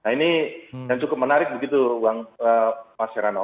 nah ini yang cukup menarik begitu mas serano